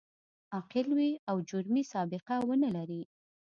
عاقل وي او جرمي سابقه و نه لري.